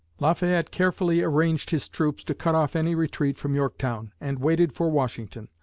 Lafayette carefully arranged his troops to cut off any retreat from Yorktown, and waited for Washington.